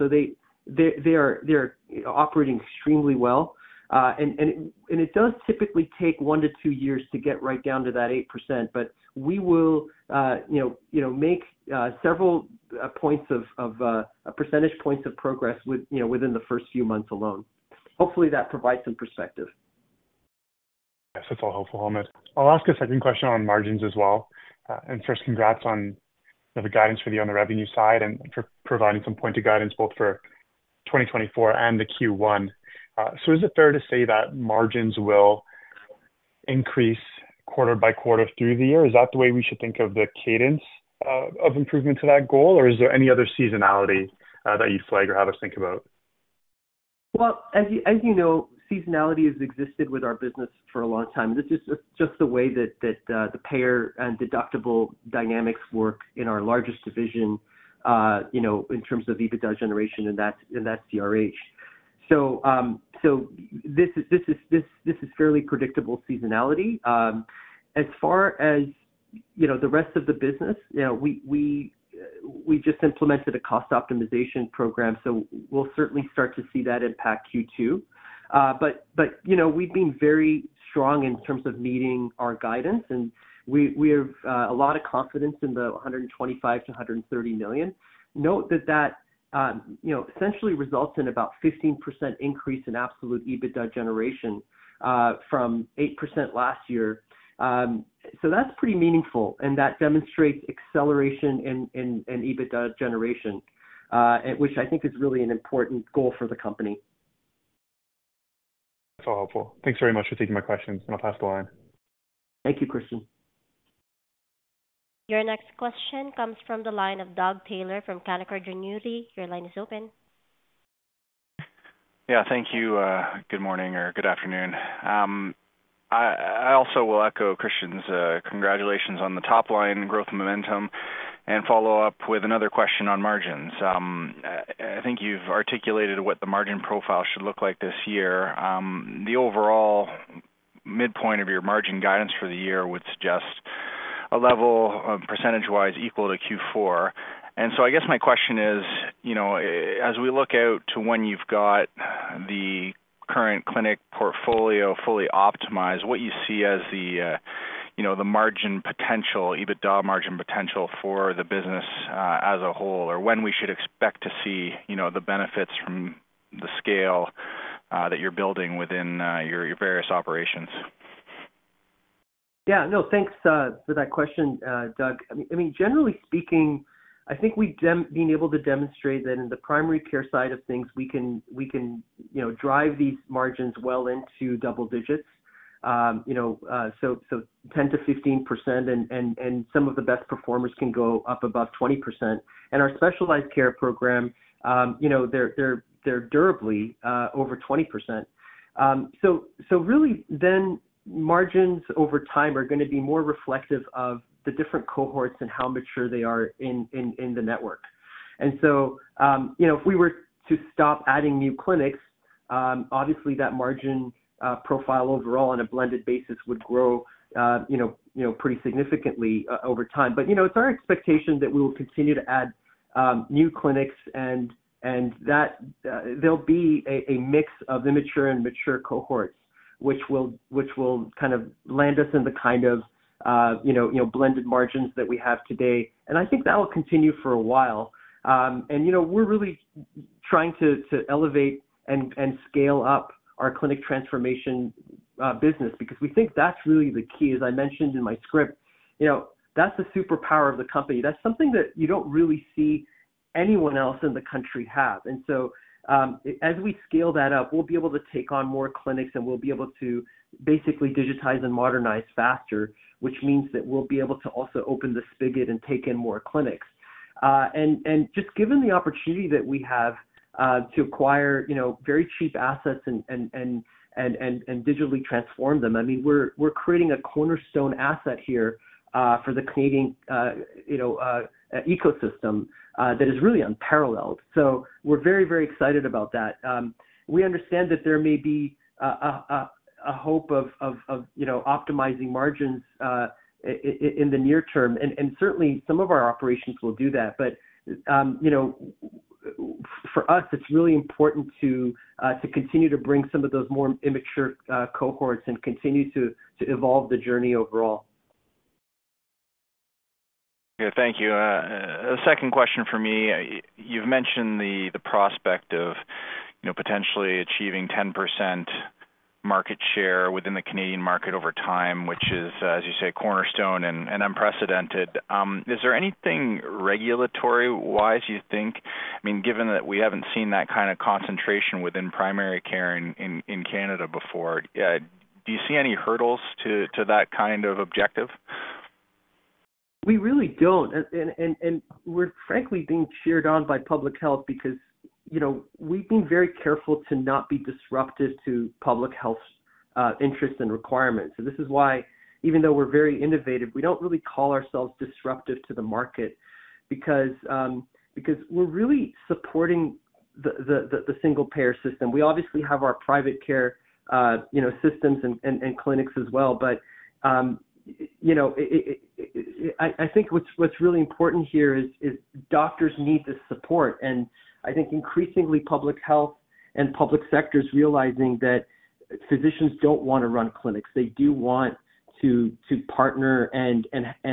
They're operating extremely well. It does typically take one to two years to get right down to that 8%, but we will make several points of percentage points of progress within the first few months alone. Hopefully, that provides some perspective. Yes. That's all helpful, Hamed. I'll ask a second question on margins as well. First, congrats on the guidance for the on-the-revenue side and for providing some pointed guidance both for 2024 and the Q1. So is it fair to say that margins will increase quarter by quarter through the year? Is that the way we should think of the cadence of improvement to that goal, or is there any other seasonality that you'd flag or have us think about? Well, as you know, seasonality has existed with our business for a long time. This is just the way that the payer and deductible dynamics work in our largest division in terms of EBITDA generation in that CRH. So this is fairly predictable seasonality. As far as the rest of the business, we just implemented a cost optimization program, so we'll certainly start to see that impact Q2. But we've been very strong in terms of meeting our guidance, and we have a lot of confidence in the 125 million-130 million. Note that that essentially results in about a 15% increase in absolute EBITDA generation from 8% last year. So that's pretty meaningful, and that demonstrates acceleration in EBITDA generation, which I think is really an important goal for the company. That's all helpful. Thanks very much for taking my questions, and I'll pass the line. Thank you, Christian. Your next question comes from the line of Doug Taylor from Canaccord. Your line is open. Yeah. Thank you. Good morning or good afternoon. I also will echo Christian's congratulations on the topline growth momentum and follow up with another question on margins. I think you've articulated what the margin profile should look like this year. The overall midpoint of your margin guidance for the year would suggest a level percentage-wise equal to Q4. And so I guess my question is, as we look out to when you've got the current clinic portfolio fully optimized, what you see as the margin potential, EBITDA margin potential for the business as a whole, or when we should expect to see the benefits from the scale that you're building within your various operations. Yeah. No. Thanks for that question, Doug. I mean, generally speaking, I think we've been able to demonstrate that in the primary care side of things, we can drive these margins well into double digits, so 10%-15%, and some of the best performers can go up above 20%. And our specialized care program, they're durably over 20%. So really, then margins over time are going to be more reflective of the different cohorts and how mature they are in the network. And so if we were to stop adding new clinics, obviously, that margin profile overall on a blended basis would grow pretty significantly over time. But it's our expectation that we will continue to add new clinics, and there'll be a mix of immature and mature cohorts, which will kind of land us in the kind of blended margins that we have today. I think that will continue for a while. We're really trying to elevate and scale up our clinic transformation business because we think that's really the key. As I mentioned in my script, that's the superpower of the company. That's something that you don't really see anyone else in the country have. So as we scale that up, we'll be able to take on more clinics, and we'll be able to basically digitize and modernize faster, which means that we'll be able to also open the spigot and take in more clinics. Just given the opportunity that we have to acquire very cheap assets and digitally transform them, I mean, we're creating a cornerstone asset here for the Canadian ecosystem that is really unparalleled. So we're very, very excited about that. We understand that there may be a hope of optimizing margins in the near term, and certainly, some of our operations will do that. But for us, it's really important to continue to bring some of those more immature cohorts and continue to evolve the journey overall. Yeah. Thank you. A second question for me. You've mentioned the prospect of potentially achieving 10% market share within the Canadian market over time, which is, as you say, cornerstone and unprecedented. Is there anything regulatory-wise, you think? I mean, given that we haven't seen that kind of concentration within primary care in Canada before, do you see any hurdles to that kind of objective? We really don't. We're frankly being cheered on by public health because we've been very careful to not be disruptive to public health interests and requirements. So this is why, even though we're very innovative, we don't really call ourselves disruptive to the market because we're really supporting the single-payer system. We obviously have our private care systems and clinics as well, but I think what's really important here is doctors need this support. And I think increasingly, public health and public sector is realizing that physicians don't want to run clinics. They do want to partner and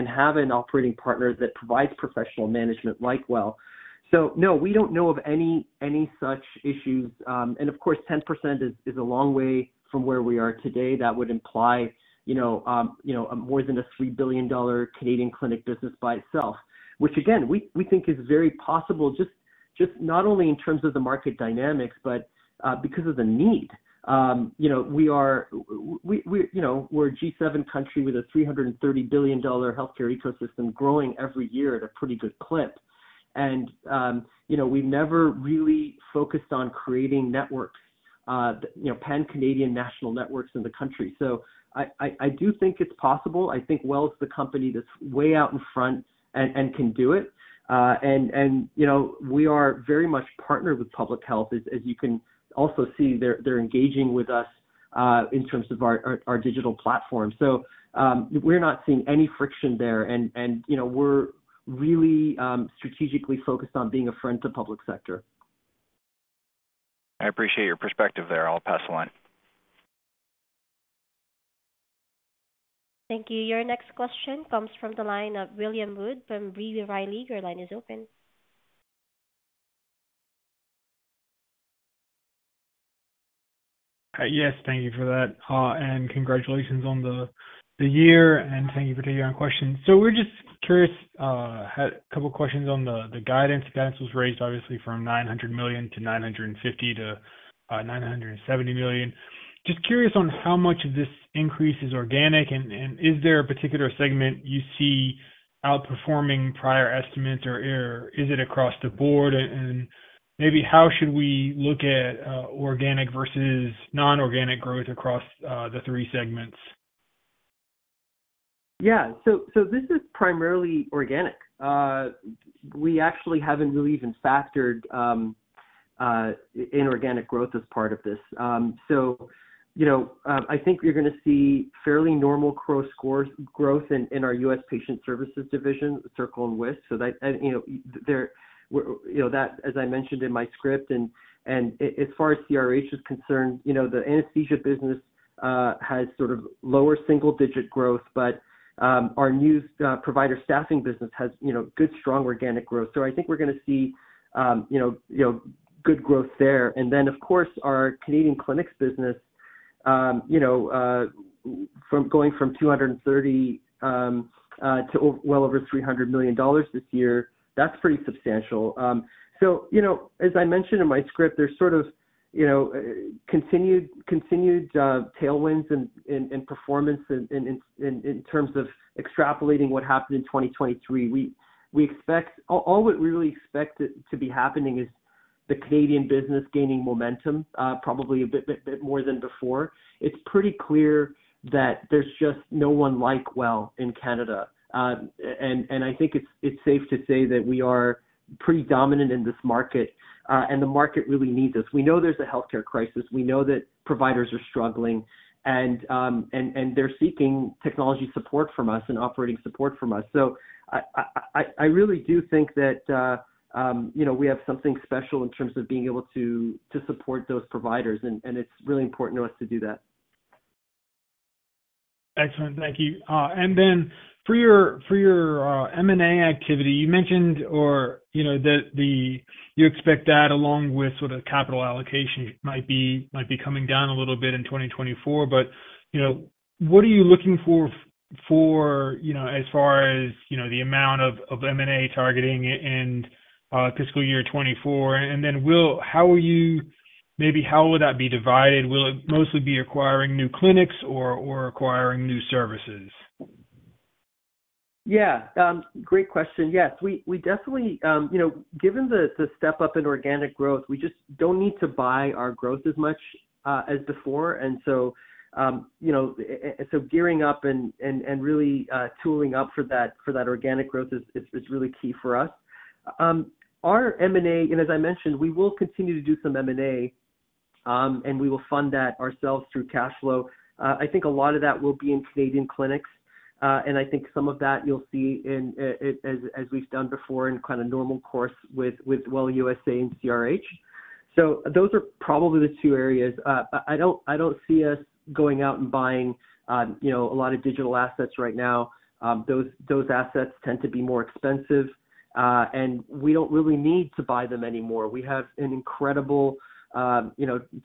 have an operating partner that provides professional management like WELL. So no, we don't know of any such issues. And of course, 10% is a long way from where we are today. That would imply more than a 3 billion Canadian dollars Canadian clinic business by itself, which, again, we think is very possible, just not only in terms of the market dynamics, but because of the need. We're a G7 country with a 330 billion dollar healthcare ecosystem growing every year at a pretty good clip. We've never really focused on creating networks, pan-Canadian national networks in the country. I do think it's possible. I think WELL is the company that's way out in front and can do it. We are very much partnered with public health, as you can also see. They're engaging with us in terms of our digital platform. We're not seeing any friction there, and we're really strategically focused on being a friend to the public sector. I appreciate your perspective there. I'll pass the line. Thank you. Your next question comes from the line of William Wood from B. Rilely. Your line is open. Yes. Thank you for that. Congratulations on the year, and thank you for taking your own questions. So we're just curious, had a couple questions on the guidance. The guidance was raised, obviously, from 900 million to 950 million to 970 million. Just curious on how much of this increase is organic, and is there a particular segment you see outperforming prior estimates, or is it across the board? And maybe how should we look at organic versus non-organic growth across the three segments? Yeah. So this is primarily organic. We actually haven't really even factored inorganic growth as part of this. So I think you're going to see fairly normal gross growth in our US Patient Services division, Circle and Wisp. So that, as I mentioned in my script, and as far as CRH is concerned, the anesthesia business has sort of lower single-digit growth, but our new provider staffing business has good, strong organic growth. So I think we're going to see good growth there. And then, of course, our Canadian clinics business, going from 230 to well over 300 million dollars this year, that's pretty substantial. So as I mentioned in my script, there's sort of continued tailwinds and performance in terms of extrapolating what happened in 2023. All what we really expect to be happening is the Canadian business gaining momentum, probably a bit more than before. It's pretty clear that there's just no one like WELL in Canada. I think it's safe to say that we are pretty dominant in this market, and the market really needs us. We know there's a healthcare crisis. We know that providers are struggling, and they're seeking technology support from us and operating support from us. I really do think that we have something special in terms of being able to support those providers, and it's really important to us to do that. Excellent. Thank you. And then for your M&A activity, you mentioned that you expect that along with sort of capital allocation might be coming down a little bit in 2024. But what are you looking for as far as the amount of M&A targeting in fiscal year 2024? And then how are you maybe how will that be divided? Will it mostly be acquiring new clinics or acquiring new services? Yeah. Great question. Yes. We definitely, given the step-up in organic growth, we just don't need to buy our growth as much as before. And so gearing up and really tooling up for that organic growth is really key for us. Our M&A, and as I mentioned, we will continue to do some M&A, and we will fund that ourselves through cash flow. I think a lot of that will be in Canadian clinics, and I think some of that you'll see as we've done before in kind of normal course with WELL USA and CRH. So those are probably the two areas. I don't see us going out and buying a lot of digital assets right now. Those assets tend to be more expensive, and we don't really need to buy them anymore. We have an incredible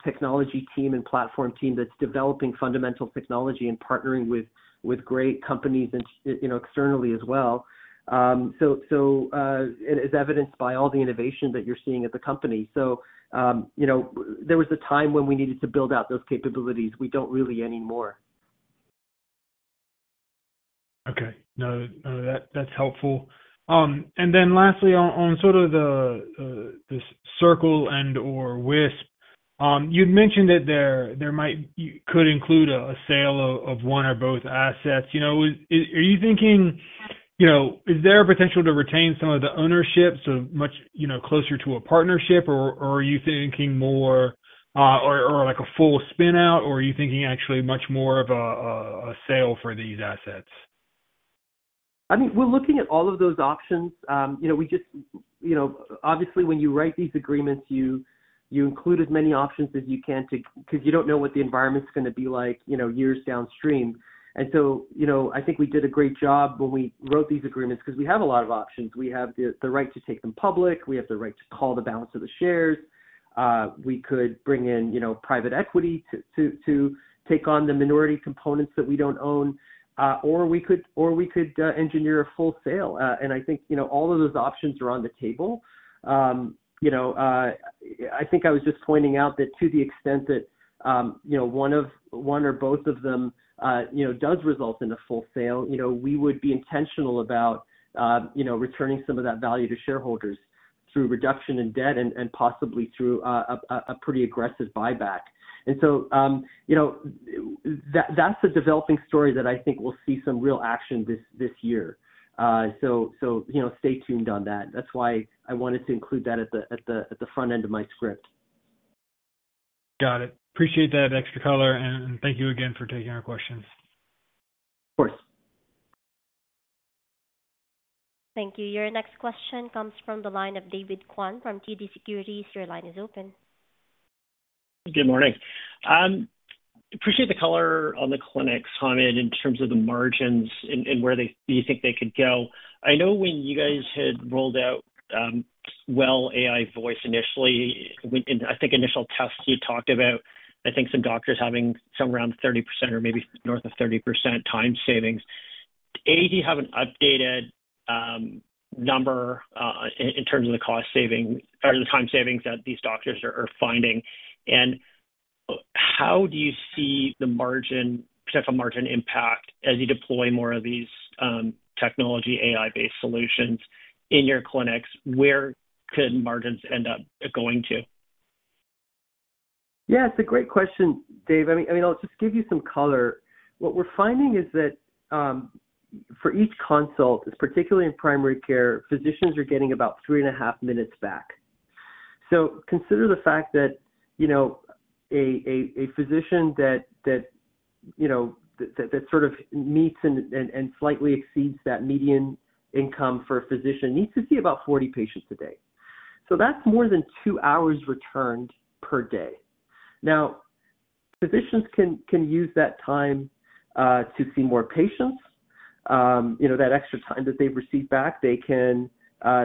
technology team and platform team that's developing fundamental technology and partnering with great companies externally as well, as evidenced by all the innovation that you're seeing at the company. So there was a time when we needed to build out those capabilities. We don't really anymore. Okay. No. That's helpful. And then lastly, on sort of the Circle and/or Wisp, you'd mentioned that there could include a sale of one or both assets. Are you thinking is there a potential to retain some of the ownership, so much closer to a partnership, or are you thinking more or a full spin-out, or are you thinking actually much more of a sale for these assets? I mean, we're looking at all of those options. We just obviously, when you write these agreements, you include as many options as you can because you don't know what the environment's going to be like years downstream. And so I think we did a great job when we wrote these agreements because we have a lot of options. We have the right to take them public. We have the right to call the balance of the shares. We could bring in private equity to take on the minority components that we don't own, or we could engineer a full sale. And I think all of those options are on the table. I think I was just pointing out that to the extent that one or both of them does result in a full sale, we would be intentional about returning some of that value to shareholders through reduction in debt and possibly through a pretty aggressive buyback. And so that's a developing story that I think we'll see some real action this year. So stay tuned on that. That's why I wanted to include that at the front end of my script. Got it. Appreciate that extra color, and thank you again for taking our questions. Of course. Thank you. Your next question comes from the line of David Kwan from TD Securities. Your line is open. Good morning. Appreciate the color on the clinics, Hamed, in terms of the margins and where you think they could go. I know when you guys had rolled out WELL AI Voice initially, and I think initial tests, you talked about, I think, some doctors having somewhere around 30% or maybe north of 30% time savings. Do you have an updated number in terms of the cost saving or the time savings that these doctors are finding? And how do you see the potential margin impact as you deploy more of these technology AI-based solutions in your clinics? Where could margins end up going to? Yeah. It's a great question, Dave. I mean, I'll just give you some color. What we're finding is that for each consult, particularly in primary care, physicians are getting about 3.5 minutes back. So consider the fact that a physician that sort of meets and slightly exceeds that median income for a physician needs to see about 40 patients a day. So that's more than 2 hours returned per day. Now, physicians can use that time to see more patients. That extra time that they've received back, they can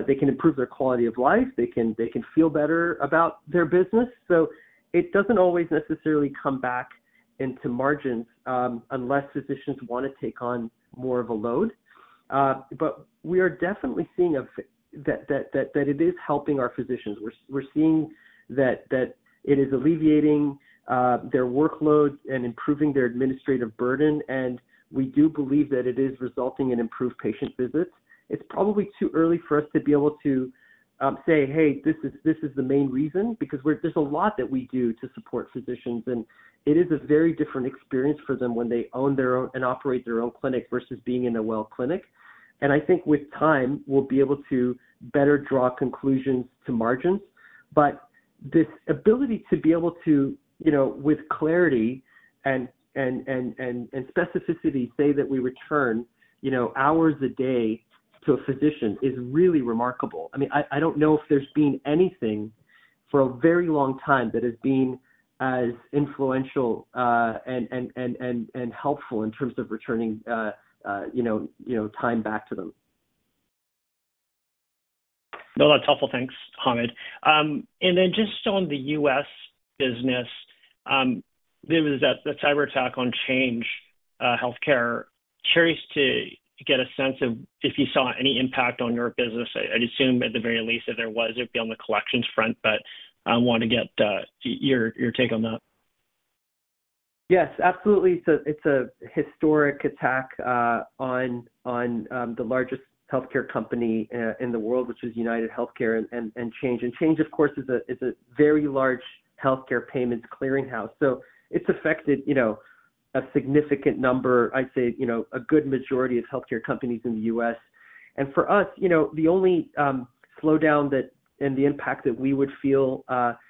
improve their quality of life. They can feel better about their business. So it doesn't always necessarily come back into margins unless physicians want to take on more of a load. But we are definitely seeing that it is helping our physicians. We're seeing that it is alleviating their workload and improving their administrative burden, and we do believe that it is resulting in improved patient visits. It's probably too early for us to be able to say, "Hey, this is the main reason," because there's a lot that we do to support physicians, and it is a very different experience for them when they own their own and operate their own clinic versus being in a WELL clinic. I think with time, we'll be able to better draw conclusions to margins. This ability to be able to, with clarity and specificity, say that we return hours a day to a physician is really remarkable. I mean, I don't know if there's been anything for a very long time that has been as influential and helpful in terms of returning time back to them. No, that's helpful. Thanks, Hamed. And then just on the U.S. business, there was a cyberattack on Change Healthcare. Curious to get a sense of if you saw any impact on your business. I'd assume, at the very least, if there was, it would be on the collections front, but I want to get your take on that. Yes, absolutely. It's a historic attack on the largest healthcare company in the world, which is UnitedHealthcare and Change. And Change, of course, is a very large healthcare payments clearinghouse. So it's affected a significant number, I'd say a good majority of healthcare companies in the U.S. And for us, the only slowdown and the impact that we would feel,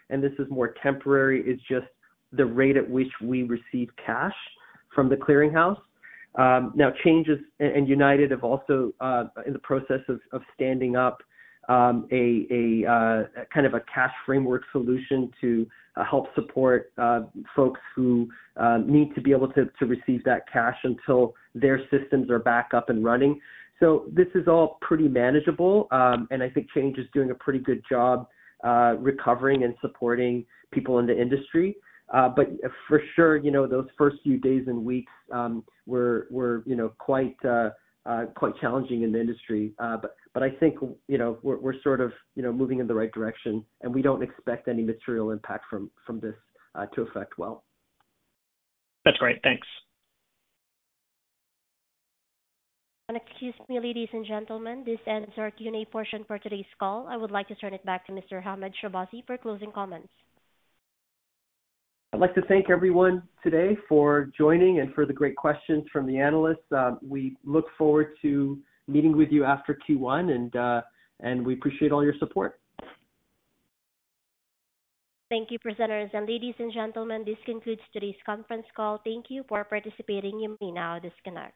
and this is more temporary, is just the rate at which we receive cash from the clearinghouse. Now, Change and United have also been in the process of standing up kind of a cash framework solution to help support folks who need to be able to receive that cash until their systems are back up and running. So this is all pretty manageable, and I think Change is doing a pretty good job recovering and supporting people in the industry. But for sure, those first few days and weeks were quite challenging in the industry. But I think we're sort of moving in the right direction, and we don't expect any material impact from this to affect WELL. That's great. Thanks. Excuse me, ladies and gentlemen, this ends our Q&A portion for today's call. I would like to turn it back to Mr. Hamed Shahbazi for closing comments. I'd like to thank everyone today for joining and for the great questions from the analysts. We look forward to meeting with you after Q1, and we appreciate all your support. Thank you, presenters. Ladies and gentlemen, this concludes today's conference call. Thank you for participating. You may now disconnect.